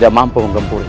jangan kunjungi sepanjang